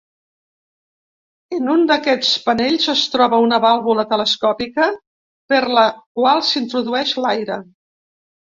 En un d'aquests panells es troba una vàlvula telescòpica per la qual s'introdueix l'aire.